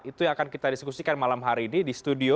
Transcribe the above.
itu yang akan kita diskusikan malam hari ini di studio